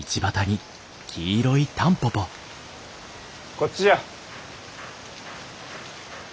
こっちじゃ。